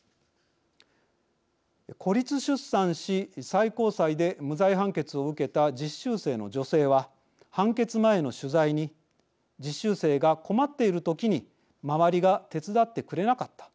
孤立出産し最高裁で無罪判決を受けた実習生の女性は判決前の取材に「実習生が困っている時に周りが手伝ってくれなかった。